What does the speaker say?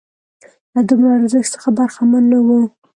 له دومره ارزښت څخه برخمن نه وو.